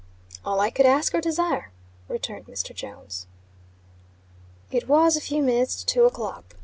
"All I could ask or desire," returned Mr. Jones. It was a few minutes to two o'clock.